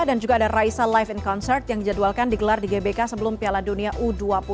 dan juga ada raisa live in concert yang dijadwalkan digelar di gbk sebelum piala dunia u dua puluh